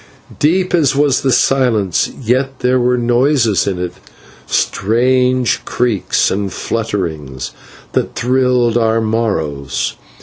Deep as was the silence, yet there were noises in it, strange creaks and flutterings that thrilled our marrows.